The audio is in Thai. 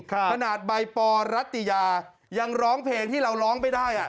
ขนาดใบปอรัตยายังร้องเพลงที่เราร้องไม่ได้